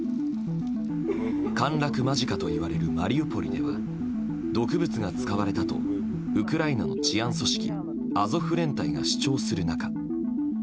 陥落間近といわれるマリウポリでは毒物が使われたとウクライナの治安組織